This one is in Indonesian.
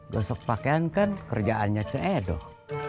gosok pakaian kan kerjaannya cedok